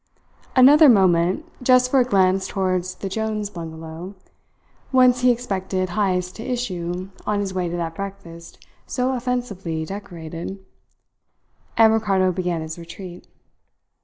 Another moment, just for a glance towards the Jones bungalow, whence he expected Heyst to issue on his way to that breakfast so offensively decorated, and Ricardo began his retreat.